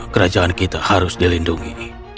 kerajaan kita harus dilindungi